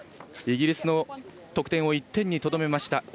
イギリスの得点を１点にとどめました。